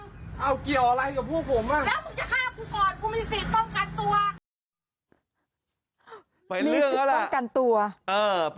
เอาเกี่ยวอะไรกับพวกผมอ่ะ